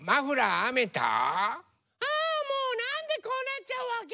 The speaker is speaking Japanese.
ああもうなんでこうなっちゃうわけ？